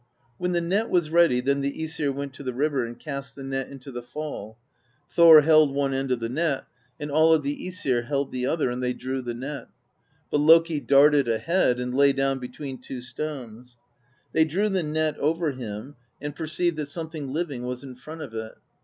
When the net was ready, then the ^sir went to the river and cast the net into the fall; Thor held one end of the net, and all of the ^Esir held the other, and they drew the net. But Loki darted ahead and lay down between two stones; they drew the net over him, and perceived that something living was in front of it.